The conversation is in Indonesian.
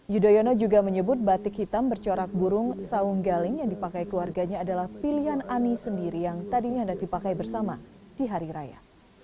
yudhoyono juga menyebut batik hitam bercorak burung saung galing yang dipakai keluarganya adalah pilihan ani sendiri yang tadinya hendak dipakai bersama di hari raya